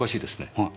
はい。